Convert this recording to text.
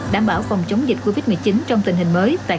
đảm bảo phòng chống dịch covid một mươi chín